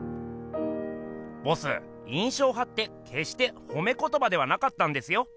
ボス「印象派」ってけっしてほめことばではなかったんですよ。